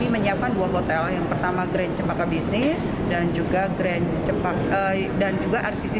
menyiapkan dua hotel yang pertama grand cempaka bisnis dan juga grand dan juga rcc